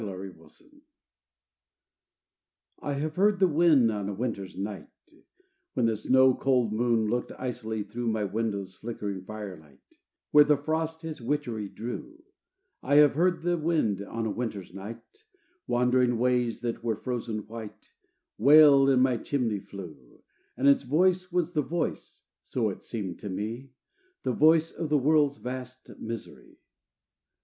THE NIGHT WIND I I have heard the wind on a winter's night, When the snow cold moon looked icily through My window's flickering firelight, Where the frost his witchery drew: I have heard the wind on a winter's night, Wandering ways that were frozen white, Wail in my chimney flue: And its voice was the voice, so it seemed to me, The voice of the world's vast misery.